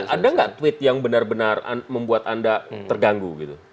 ada nggak tweet yang benar benar membuat anda terganggu gitu